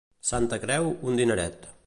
Santa Creu, un dineret.